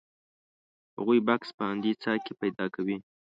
هغوی بکس په همدې څاه کې پیدا کوي.